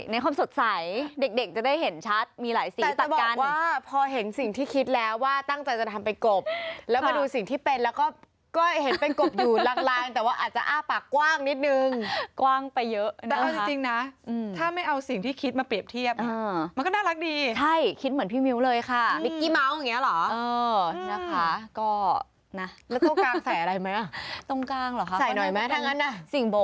อในความสดใสเด็กจะได้เห็นชัดมีหลายสีตัดกัน